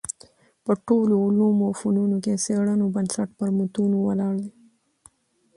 په ټولو علومو او فنونو کي د څېړنو بنسټ پر متونو ولاړ دﺉ.